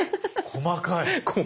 細かい。